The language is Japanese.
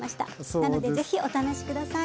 なのでぜひお試し下さい。